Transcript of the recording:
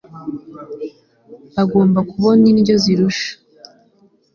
Bagomba kubona indyo zirusha